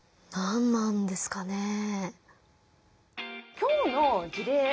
何なんですかね。